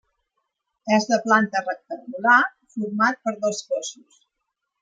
És de planta rectangular, format per dos cossos.